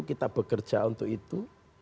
kita bekerja untuk itu